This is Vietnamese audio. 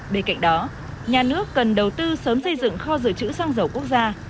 bên cạnh đó nhà nước cần đầu tư sớm xây dựng kho dự trữ xăng dầu quốc gia